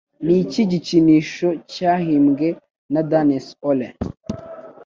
Niki gikinisho cyahimbwe na Danes Ole